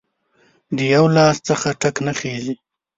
د یو لاس څخه ټک نه خیژي